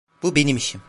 Bu benim işim.